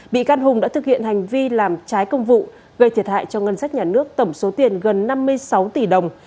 bị can hùng đã thực hiện hành vi làm trái công vụ gây thiệt hại cho ngân sách nhà nước tổng số tiền gần năm mươi sáu tỷ đồng